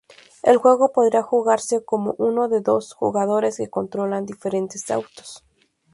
El juego podría jugarse con uno o dos jugadores que controlan diferentes autos.